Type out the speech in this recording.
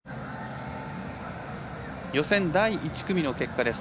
予選第１組の結果です。